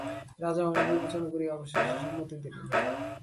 রাজা অনেক বিবেচনা করিয়া অবশেষে সম্মতি দিলেন।